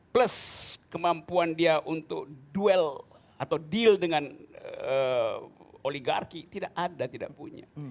plus kemampuan dia untuk duel atau deal dengan oligarki tidak ada tidak punya